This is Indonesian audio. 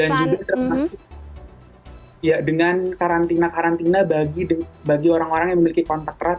dan juga terpaksa dengan karantina karantina bagi orang orang yang memiliki kontak kerat